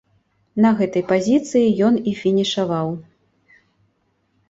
На гэтай пазіцыі ён і фінішаваў.